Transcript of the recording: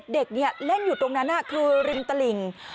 เด็กเล่นอยู่ตรงนั้นคือริมตลิ่ง